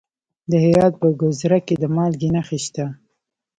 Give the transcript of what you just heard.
د هرات په ګذره کې د مالګې نښې شته.